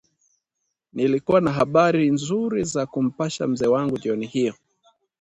Nilikuwa na habari nzuri za kumpasha mzee wangu jioni hiyo